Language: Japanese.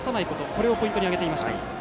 これをポイントに挙げていました。